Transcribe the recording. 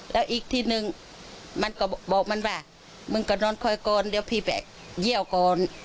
แล้วอีกที่หนึ่งมันก็บอกมันว่ามึงก็นอนคอยก่อนเดี๋ยวพี่ไปเยี่ยวก่อน